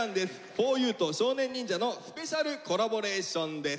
ふぉゆと少年忍者のスペシャルコラボレーションです